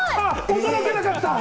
驚かなかった。